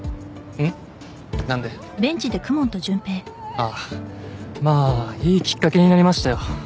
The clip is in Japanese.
ああまあいいきっかけになりましたよ